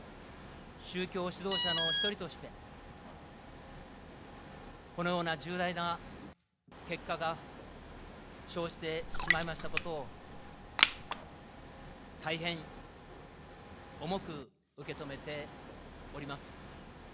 宗教指導者の一人として、このような重大な結果が生じてしまいましたことを、大変、重く受け止めております。